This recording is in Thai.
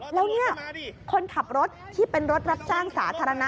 แล้วเนี่ยคนขับรถที่เป็นรถรับจ้างสาธารณะ